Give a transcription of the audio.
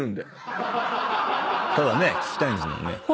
ただね聞きたいんですもんね？